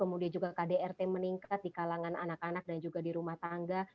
kemudian juga kdrt meningkat di kalangan anak anak dan juga di rumah tangga